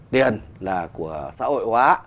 tiền là của xã hội hóa